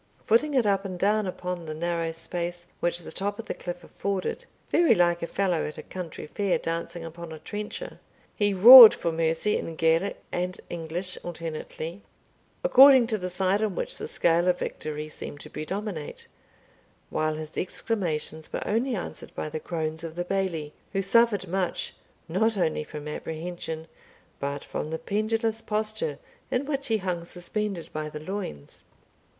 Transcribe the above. Footing it up and down upon the narrow space which the top of the cliff afforded (very like a fellow at a country fair dancing upon a trencher), he roared for mercy in Gaelic and English alternately, according to the side on which the scale of victory seemed to predominate, while his exclamations were only answered by the groans of the Bailie, who suffered much, not only from apprehension, but from the pendulous posture in which he hung suspended by the loins.